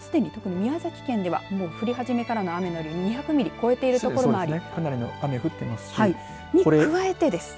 すでに特に宮崎県ではもう降り始めからの雨の量２００ミリ超えてる所がある。